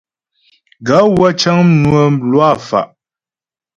Gaə̂ wə́ cə́ŋ mnwə mlwâ fá'.